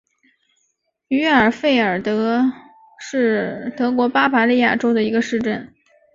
于尔费尔德是德国巴伐利亚州的一个市镇。